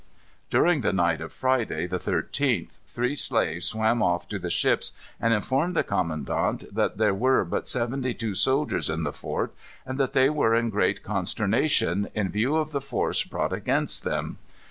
During the night of Friday, the 13th, three slaves swam off to the ships, and informed the commandant that there were but seventy two soldiers in the fort and that they were in great consternation in view of the force brought against them.